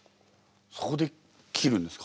そこで切るんですか？